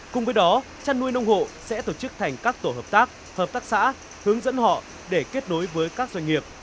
cùng với đó chăn nuôi nông hộ sẽ tổ chức thành các tổ hợp tác hợp tác xã hướng dẫn họ để kết nối với các doanh nghiệp